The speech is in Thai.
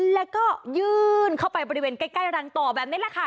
แล้วก็ยื่นเข้าไปบริเวณใกล้รังต่อแบบนี้แหละค่ะ